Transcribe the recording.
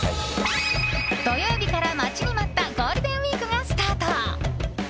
土曜日から待ちに待ったゴールデンウィークがスタート。